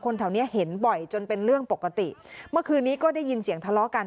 แถวเนี้ยเห็นบ่อยจนเป็นเรื่องปกติเมื่อคืนนี้ก็ได้ยินเสียงทะเลาะกัน